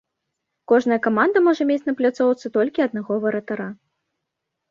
Кожная каманда можа мець на пляцоўцы толькі аднаго варатара.